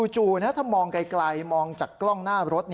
ถ้ามองไกลมองจากกล้องหน้ารถ